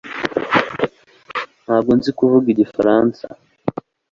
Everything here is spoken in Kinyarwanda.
Ntabwo nzi kuvuga Igifaransa